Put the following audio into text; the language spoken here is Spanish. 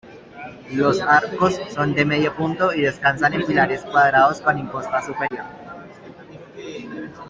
Los arcos son de medio punto y descansan en pilares cuadrados con imposta superior.